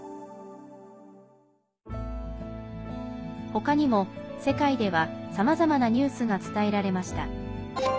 ほかにも、世界ではさまざまなニュースが伝えられました。